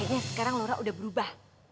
dad kayaknya sekarang laura udah berubah